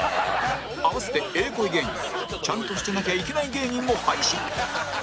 合わせてええ声芸人ちゃんとしてなきゃいけない芸人も配信